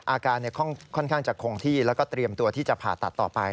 อาการค่อนข้างจะคงที่แล้วก็เตรียมตัวที่จะผ่าตัดต่อไป